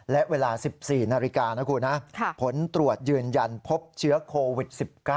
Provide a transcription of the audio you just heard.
และเวลา๑๔นาฬิกานะคุณนะผลตรวจยืนยันพบเชื้อโควิด๑๙